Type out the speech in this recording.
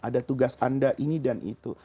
ada tugas anda ini dan itu